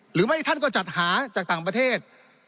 หรือไม่ท่านก็จัดหาจากต่างประเทศ